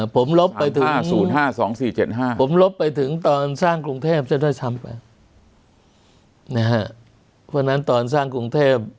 ๐๕๒๔๗๕ผมลบไปกี่รอบลบไปถึงตอนตัวสร้างกรุงเทพฯ